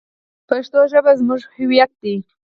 پښتو ژبه زموږ هویت دی.